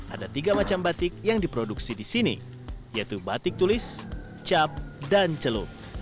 ada tiga macam batik yang diproduksi di sini yaitu batik tulis cap dan celup